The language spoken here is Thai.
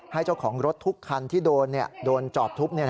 เจ้าของรถทุกคันที่โดนจอดทุบ